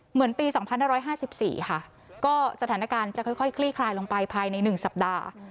เหมือนปี๒๕๕๔ค่ะก็สถานการณ์จะค่อยคลี่คลายลงไปภายใน๑สัปดาห์